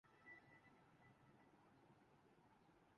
گاؤں کا کوڑا کرکٹ کہاں جائے گا۔